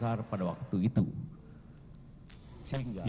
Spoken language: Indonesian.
apa yang terjadi pada waktu itu